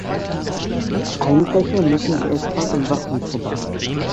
Einbrecher müssen erst mal am Wachhund vorbei.